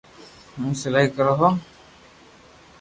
ھون سلائي ڪرو ھون